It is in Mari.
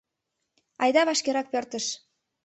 Айда вашкерак пӧртыш.